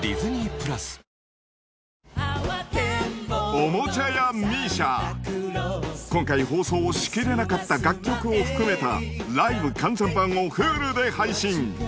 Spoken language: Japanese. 『おもちゃ屋ＭＩＳＩＡ』今回放送しきれなかった楽曲を含めたライブ完全版をＨｕｌｕで配信